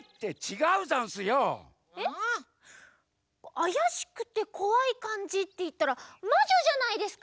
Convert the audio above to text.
あやしくてこわいかんじっていったらまじょじゃないですか。